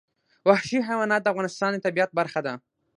وحشي حیوانات د افغانستان د طبیعت برخه ده.